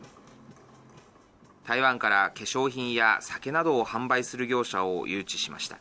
台湾から化粧品や酒などを販売する業者を誘致しました。